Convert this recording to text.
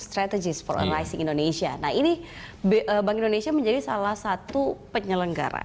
nah ini bank indonesia menjadi salah satu penyelenggara